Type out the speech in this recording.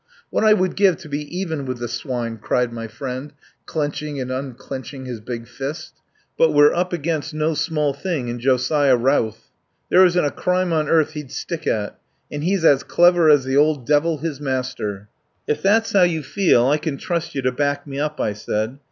"What I would give to be even with the swine!" cried my friend, clenching and un clenching his big fist. "But we're up against no small thing in Josiah Routh. There isn't a crime on earth he'd stick at, and he's as clever as the old Devil, his master." "If that's how you feel, I can trust you to back me up," I said.